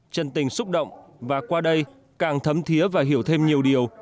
chân tình xúc động và qua đây càng thấm thiế và hiểu thêm nhiều điều